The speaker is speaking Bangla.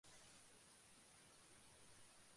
প্রতিটা বাচ্চাই জানে।